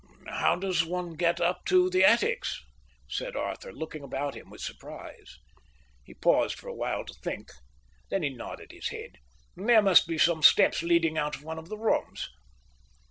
"How does one get up to the attics?" said Arthur, looking about him with surprise. He paused for a while to think. Then he nodded his head. "There must be some steps leading out of one of the rooms."